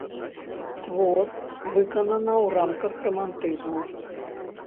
Твор выканана ў рамках рамантызму.